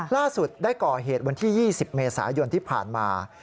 ล่าสุดได้ก่อเหตุวันที่๒๐เมษายนที่ผ่านมา